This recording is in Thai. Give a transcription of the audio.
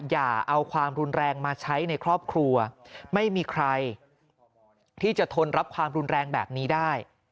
อย่าเอาความรุนแรงมาใช้ในครอบครัวไม่มีใครที่จะทนรับความรุนแรงแบบนี้ได้